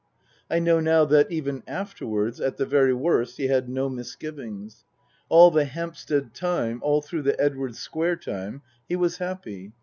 I know now that, even afterwards at the very worst he had no mis givings. All the Hampstead time, all through the Edwardes Square time he was happy.